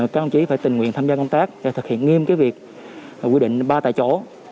các ông chí phải tình nguyện tham gia công tác để thực hiện nghiêm việc quy định ba tại chỗ